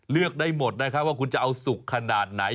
เลือกได้หมดนะครับว่าคุณจะเอาสุกขนาดไหน